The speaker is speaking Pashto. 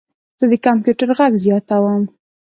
زه د کمپیوټر غږ زیاتوم.